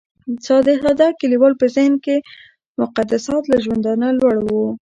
د ساده کليوال په ذهن کې مقدسات له ژوندانه لوړ وو.